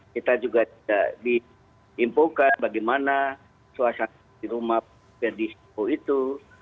kita juga tidak diimpulkan bagaimana suasana di rumah pdco itu